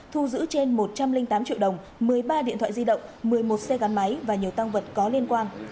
thu giữ trên một trăm linh tám triệu đồng một mươi ba điện thoại di động một mươi một xe gắn máy và nhiều tăng vật có liên quan